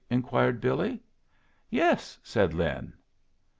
inquired Billy. "Yes," said Lin.